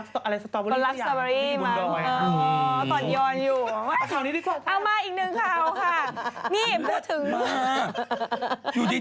ข้าวส่วนย้อนอยู่